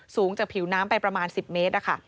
สูงจากผิวน้ำไปประมาณ๑๐เมตร